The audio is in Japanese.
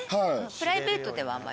プライベートではあんまり？